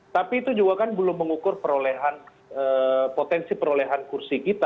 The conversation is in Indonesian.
tapi itu juga kan belum mengukur perolehan potensi perolehan kursi kita